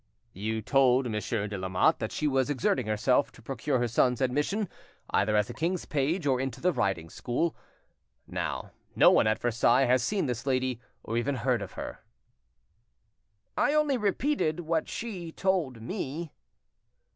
"You told Monsieur de, Lamotte that she was exerting herself to procure her son's admission either as a king's page or into the riding school. Now, no one at Versailles has seen this lady, or even heard of her." "I only repeated what she told me."